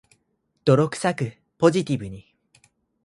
泥臭く、ポジティブに